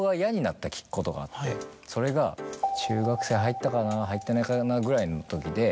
ことがあってそれが中学生入ったかな入ってないかなぐらいのときで。